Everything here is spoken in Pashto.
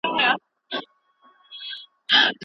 هغې هم حتماً زیانونه لیدلي وي.